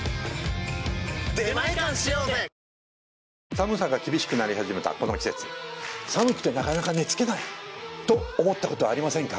寒さが厳しくなり始めたこの季節「寒くてなかなか寝つけない！」と思ったことはありませんか？